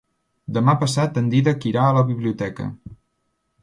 Demà passat en Dídac irà a la biblioteca.